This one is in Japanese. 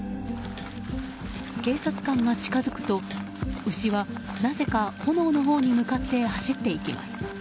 警察官が近づくと、牛はなぜか炎のほうに向かって走っていきます。